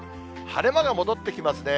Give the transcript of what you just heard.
晴れ間が戻ってきますね。